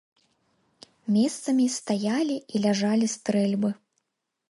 Месцамі стаялі і ляжалі стрэльбы.